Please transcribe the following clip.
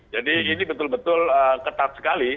jadi ini betul betul ketat sekali